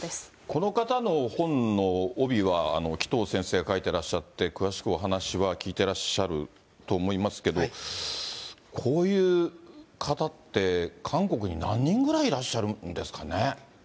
この方の本の帯は、紀藤先生が書いてらっしゃって、詳しくお話は聞いてらっしゃると思いますけど、こういう方って、韓国に何人ぐらいいらっしゃるんですかね。